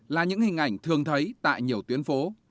là những hình ảnh thường thấy tại nhiều tuyến phố